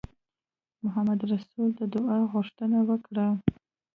محمدرسول د دعا غوښتنه وکړه.